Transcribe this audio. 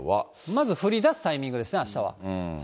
まず降りだすタイミングですね、あしたは。